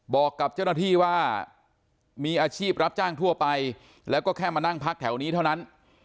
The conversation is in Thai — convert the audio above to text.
บอกกับเจ้าหน้าที่ว่ามีอาชีพรับจ้างทั่วไปแล้วก็แค่มานั่งพักแถวนี้เท่านั้น